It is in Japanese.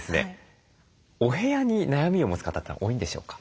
お部屋に悩みを持つ方って多いんでしょうか？